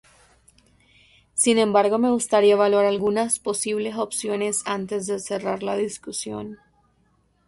Sin embargo, me gustaría evaluar algunas posibles opciones antes de cerrar la discusión.